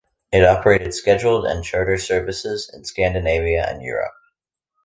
It operated scheduled and charter services in Scandinavia and Europe.